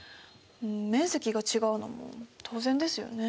面積が違うのも当然ですよね。